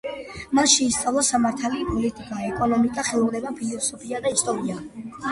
მან შეისწავლა სამართალი, პოლიტიკა, ეკონომიკა, ხელოვნება, ფილოსოფია და ისტორია.